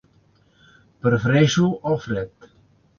Prefereixo el fred.